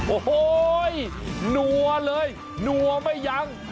โอ้โห้ยหนัวเลยหนัวไปยัง